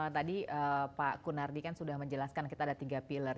tadi pak kunardi kan sudah menjelaskan kita ada tiga pilar